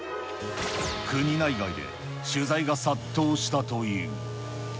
国内外で取材が殺到したという。